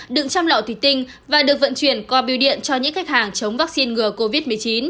đựng chăm lọ thủy tinh và được vận chuyển qua biêu điện cho những khách hàng chống vaccine ngừa covid một mươi chín